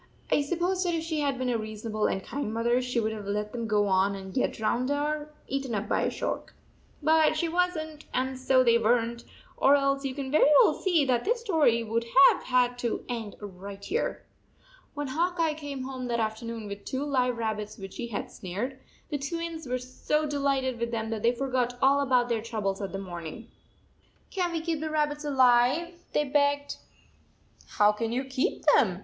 I suppose that if she had been a reason able and kind mother she would have let them go on and get drowned or eaten up by a shark. But she was n t, and so they were n t, or else you can very well see that this story would have had to end right here. When Hawk Eye came home that after noon with two live rabbits which he had snared, the Twins were so delighted with them that they forgot all about their troubles of the morning. " Can t we keep the rabbits alive?" they begged. " How can you keep them?"